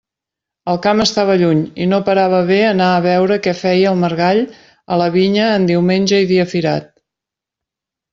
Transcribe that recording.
El camp estava lluny i no parava bé anar a veure què feia el margall a la vinya en diumenge i dia firat.